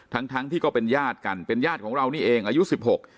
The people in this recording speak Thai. ทั้งทั้งที่ก็เป็นญาติกันเป็นญาติของเรานี่เองอายุสิบหก